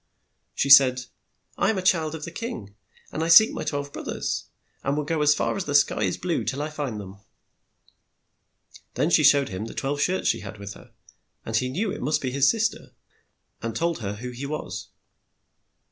She said, "I am the child of a king, and I seek my twelve broth ers, and will go as far as the sky is blue till I find them. Then she showed him the twelve shirts she had with her, and he knew it must be his sis ter, and told her who he was.